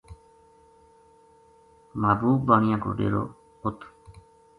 محبوب بانیا کو ڈیرو اُ